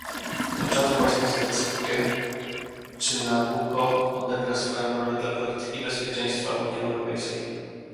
To czas właśnie zdecyduje, czy Nabucco odegra swoją rolę dla polityki bezpieczeństwa Unii Europejskiej